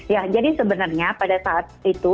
ya jadi sebenarnya pada saat itu